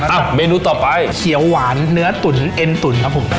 เมนูต่อไปเขียวหวานเนื้อตุ๋นเอ็นตุ๋นครับผม